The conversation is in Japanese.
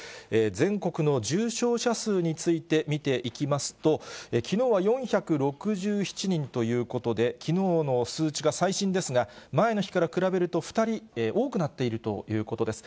全国の重症者数について見ていきますと、きのうは４６７人ということで、きのうの数値が最新ですが、前の日から比べると２人多くなっているということです。